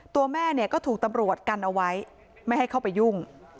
ตัวแม่เนี่ยก็ถูกตำรวจกันเอาไว้ไม่ให้เข้าไปยุ่ง